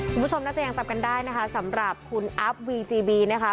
คุณผู้ชมน่าจะยังจำกันได้นะคะสำหรับคุณอัพวีจีบีนะคะ